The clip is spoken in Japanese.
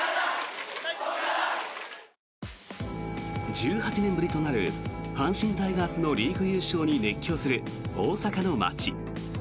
１８年ぶりとなる阪神タイガースのリーグ優勝に熱狂する大阪の街。